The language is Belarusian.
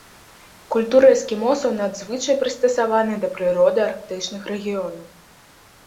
Культура эскімосаў надзвычай прыстасавана да прыроды арктычных рэгіёнаў.